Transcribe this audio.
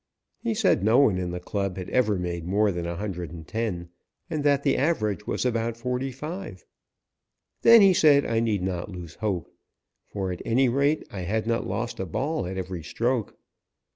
He said no one in the club had ever made more than 110 and that the average was about 45. Then he said I need not lose hope, for at any rate I had not lost a ball at every stroke.